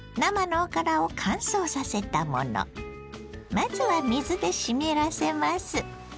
まずは水で湿らせます。